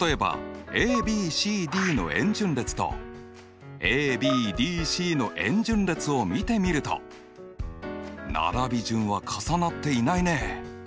例えばＡＢＣＤの円順列とＡＢＤＣの円順列を見てみると並び順は重なっていないね。